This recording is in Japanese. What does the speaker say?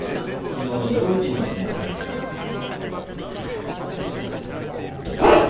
きのうの上位陣の相撲をご覧いただきます。